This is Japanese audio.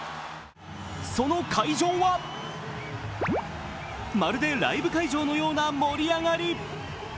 その会場は、まるでライブ会場のような盛り上がり。